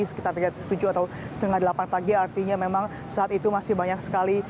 sekitar tujuh atau setengah delapan pagi artinya memang saat itu masih banyak sekali